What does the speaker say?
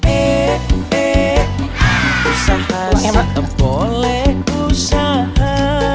eh eh usaha seboleh usaha